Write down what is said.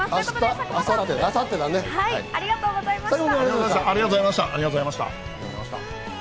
佐久間君、ありがとうございました。